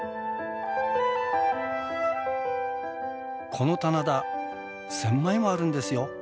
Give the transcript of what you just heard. この棚田１，０００枚もあるんですよ。